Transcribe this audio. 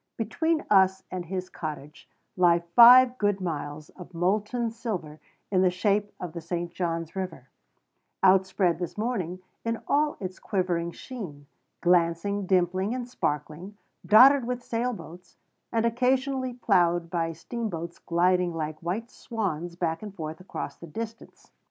Between us and his cottage lie five good miles of molten silver in the shape of the St. John's River, outspread this morning in all its quivering sheen, glancing, dimpling, and sparkling, dotted with sail boats, and occasionally ploughed by steamboats gliding like white swans back and forth across the distance.